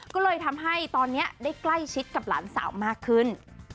ก็เลยทำให้ตอนนี้ได้ใกล้ชิดกับหลานสาวมากขึ้น